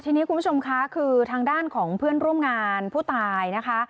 ทีนี้คุณผู้ชมค่ะคือทางด้านของเพื่อนร่วมงานผู้ตายนะคะ